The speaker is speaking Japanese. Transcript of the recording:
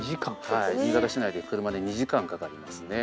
はい新潟市内で車で２時間かかりますね。